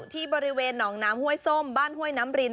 ที่บริเวณหนองน้ำห้วยส้มบ้านห้วยน้ำริน